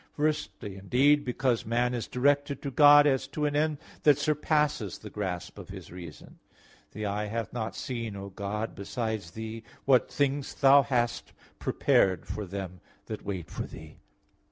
Firstly, indeed, because man is directed to God, as to an end that surpasses the grasp of his reason: "The eye hath not seen, O God, besides Thee, what things Thou hast prepared for them that wait for Thee" (Isa.